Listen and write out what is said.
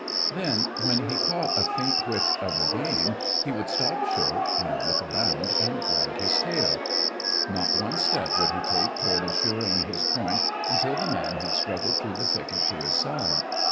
Then when he caught a faint whiff of the game, he would stop short, and look around, and wag his tail. Not one step would he take toward assuring his point until the man had struggled through the thicket to his side.